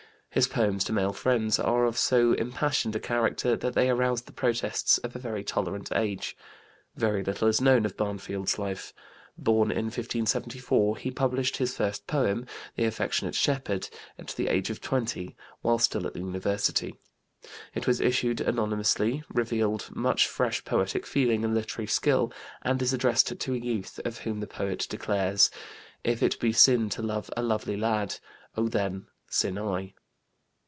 His poems to male friends are of so impassioned a character that they aroused the protests of a very tolerant age. Very little is known of Barnfield's life. Born in 1574 he published his first poem, The Affectionate Shepherd, at the age of 20, while still at the University. It was issued anonymously, revealed much fresh poetic feeling and literary skill, and is addressed to a youth of whom the poet declares: "If it be sin to love a lovely lad, Oh then sin I."